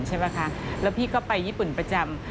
และพี่ก็ไปญี่ปุ่นประจำ